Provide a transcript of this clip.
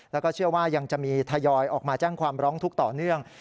แล้วก็เชื่อว่ายังจะมีทยอยออกมาแจ้งความร้องทุกข์ต่อเนื่อง